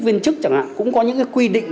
viên chức chẳng hạn cũng có những quy định